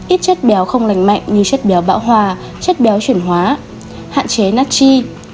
ít chất béo không lành mạnh như chất béo bão hòa chất béo chuyển hóa hạn chế natchi